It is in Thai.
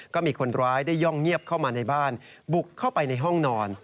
ก็มีคนร้ายได้ย่องเงียบเข้ามาในบ้านบุกเข้าไปในห้องนอน